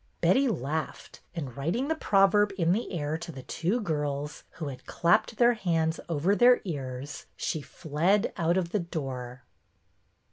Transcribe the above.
Betty laughed, and writing the proverb in the air to the two girls, who had clapped their hands over their ears, she fled out of the door.